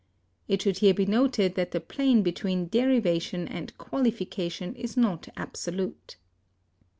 It should here be noted that the plane between derivation and qualification is not absolute.